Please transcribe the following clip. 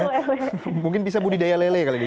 pecel lele mungkin bisa budidaya lele kali ini